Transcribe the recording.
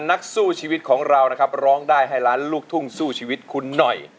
นักสู้ชีวิตของเรานะครับร้องได้ให้ล้านลูกทุ่งสู้ชีวิตคุณหน่อย